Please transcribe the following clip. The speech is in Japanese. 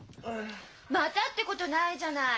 「また」ってことないじゃない！